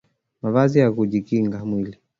mavazi ya kujikinga mwili